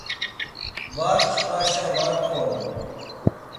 Var nçxvaşa var korun.